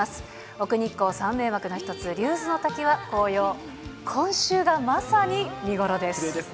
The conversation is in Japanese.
奥日光三名ばくの一つ、竜頭ノ滝は紅葉、今週がまさに見頃です。